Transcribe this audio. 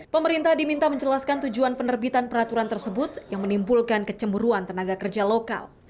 pemerintah diminta menjelaskan tujuan penerbitan peraturan tersebut yang menimbulkan kecemburuan tenaga kerja lokal